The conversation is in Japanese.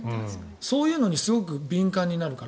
そういうのにすごく敏感になるから。